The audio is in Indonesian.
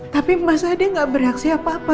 tapi masa dia gak beraksi apa apa